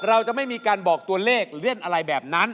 เราจะไม่มีการบอกตัวเลขเลื่อนอะไรแบบนั้น